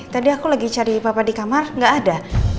tadi aku lagi cari papa di kamar gak ada